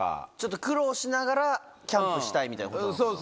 苦労しながらキャンプしたいみたいなことなのかな？